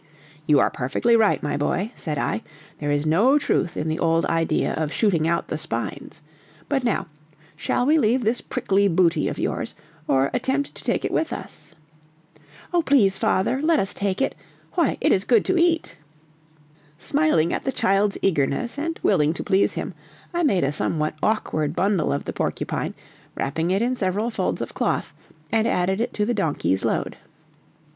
"You are perfectly right, my boy," said I; "there is no truth in the old idea of shooting out the spines. But now, shall we leave this prickly booty of yours, or attempt to take it with us?" "Oh, please father, let us take it! Why, it is good to eat!" Smiling at the child's eagerness, and willing to please him, I made a somewhat awkward bundle of the porcupine, wrapping it in several folds of cloth, and added it to the donkey's load.